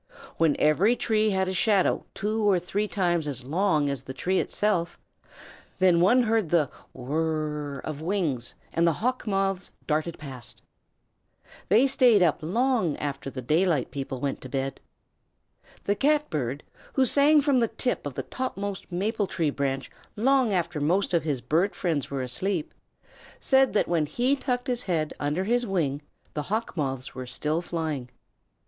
When every tree had a shadow two or three times as long as the tree itself, then one heard the whir r r of wings and the Hawk Moths darted past. They staid up long after the daylight people went to bed. The Catbird, who sang from the tip of the topmost maple tree branch long after most of his bird friends were asleep, said that when he tucked his head under his wing the Hawk Moths were still flying.